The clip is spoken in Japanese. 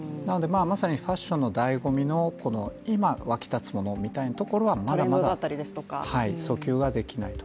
まさにファッションのだいご味の今沸き立つものみたいなものはまだまだ訴求ができないと。